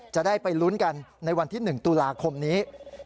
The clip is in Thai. จะได้ไปลุ้นกันในวันที่๑ตุลาคมนี้